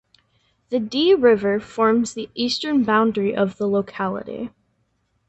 The Dee River forms the eastern boundary of the locality.